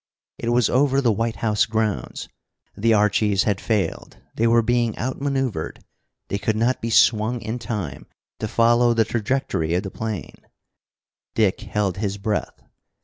It was over the White House grounds. The archies had failed; they were being outmaneuvered, they could not be swung in time to follow the trajectory of the plane. Dick held his breath.